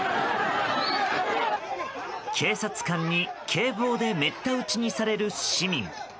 警察官に警棒で滅多打ちにされる市民。